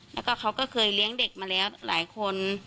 แล้วก็เขาก็เคยเลี้ยงเด็กมาแล้วหลายคน